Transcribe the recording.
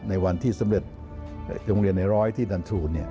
ในวันที่สำเร็จโรงเรียนในร้อยที่ดันทรู